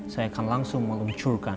saya akan langsung melumpuhkan